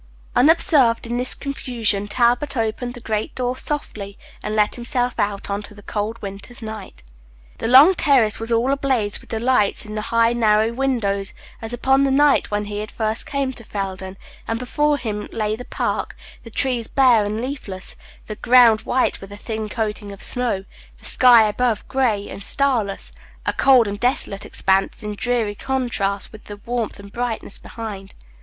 Unobserved in the confusion, Talbot opened the great door softly, and let himself out into the cold winter's night. The long terrace was all ablaze with the lights in the high, narrow windows, as upon the night when he had first come to Felden; and before him lay the park, the trees bare and leafless, the ground white with a thin coating of snow, the sky above gray and starless a cold and desolate expanse, in dreary contrast with the warmth and brightness behind.